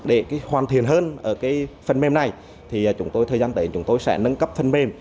để hoàn thiện hơn ở phần mềm này thì chúng tôi thời gian tới chúng tôi sẽ nâng cấp phần mềm